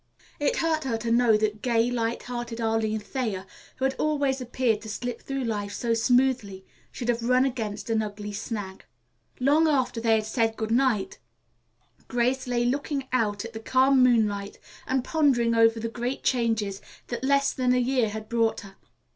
It hurt her to know that gay, light hearted Arline Thayer who had always appeared to slip through life so smoothly, should have run against an ugly snag. Long after they had said good night, Grace lay looking out at the calm moonlight and pondering over the great changes that less than a year had brought her.